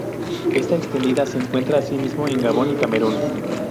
Esta extendida se encuentra asimismo en Gabón y Camerún.